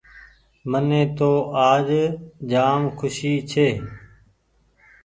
مني تو آج جآم کوسي ڇي۔